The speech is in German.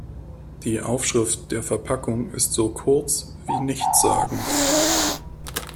Die Aufschrift der Verpackung ist so kurz wie nichtssagend.